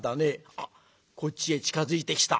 あっこっちへ近づいてきた。